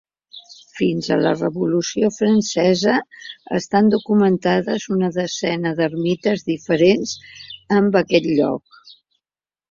Fins a la Revolució Francesa estan documentades una desena d'ermites diferents en aquest lloc.